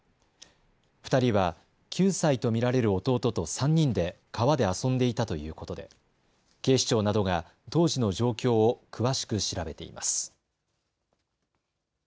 ２人は９歳と見られる弟と３人で川で遊んでいたということで警視庁などが当時の状況を詳しく調べています。